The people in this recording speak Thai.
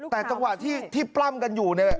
แต่จังหวะที่ปล้ำกันอยู่เนี่ย